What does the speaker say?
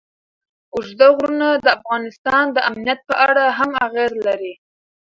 اوږده غرونه د افغانستان د امنیت په اړه هم اغېز لري.